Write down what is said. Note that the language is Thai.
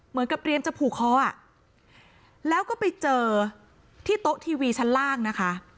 เหมือนกับเตรียมจะผูกคออ่ะแล้วก็ไปเจอที่โต๊ะทีวีชั้นล่างนะคะ